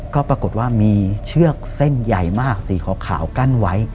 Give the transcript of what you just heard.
ก็ปรากฏว่ามีเชือกเส้นใหญ่มากสีขาวกั้นไว้